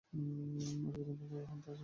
এর প্রধানমন্ত্রী হন তাজউদ্দিন আহমদ।